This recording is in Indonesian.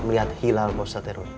melihat hilal pak ustadz rw